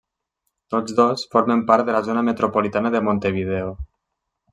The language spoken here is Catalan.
Tots dos formen part de la zona metropolitana de Montevideo.